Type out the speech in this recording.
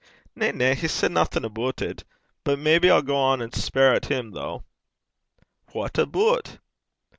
'Na, na; he said naething aboot it. But maybe I'll gang and speir at him, though.' 'What aboot?'